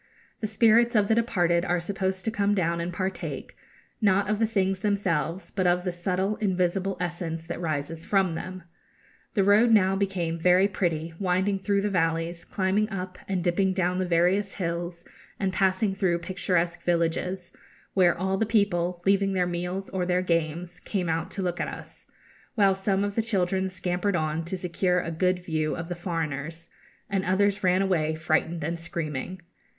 The spirits of the departed are supposed to come down and partake, not of the things themselves, but of the subtle invisible essence that rises from them. The road now became very pretty, winding through the valleys, climbing up and dipping down the various hills, and passing through picturesque villages, where all the people, leaving their meals or their games, came out to look at us, while some of the children scampered on to secure a good view of the foreigners, and others ran away frightened and screaming.